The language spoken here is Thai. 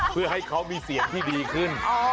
เพื่อให้เขามีเสียงที่ดีขึ้น